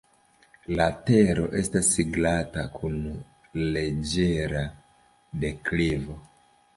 La tero estas glata kun leĝera deklivo.